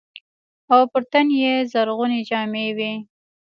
او پر تن يې زرغونې جامې وې.